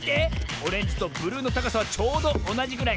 オレンジとブルーのたかさはちょうどおなじぐらい。